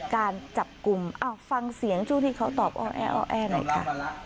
การจับกลุ่มอ้าวฟังเสียงจู่ที่เขาตอบอ๋อแออ๋อแอไหนคะ